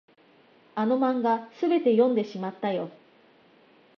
あの漫画、すべて読んでしまったよ。